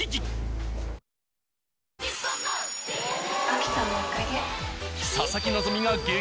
秋田のおかげ。